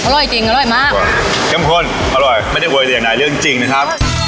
อร่อยจริงอร่อยมากเยี่ยมคนอร่อยไม่ได้โหยเหลี่ยงใดเรื่องจริงนะครับ